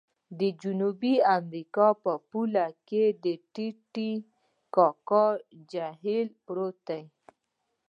د جنوبي امریکا په پوله کې د ټې ټې کاکا جهیل پروت دی.